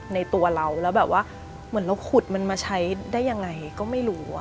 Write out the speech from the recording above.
ในตัวเราแล้วแบบว่าเหมือนเราขุดมันมาใช้ได้ยังไงก็ไม่รู้